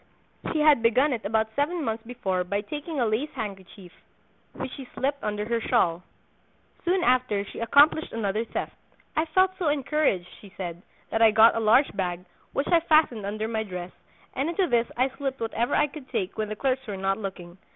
She had begun it about seven months before by taking a lace handkerchief, which she slipped under her shawl: Soon after she accomplished another theft. "I felt so encouraged," she said, "that I got a large bag, which I fastened under my dress, and into this I slipped whatever I could take when the clerks were not looking.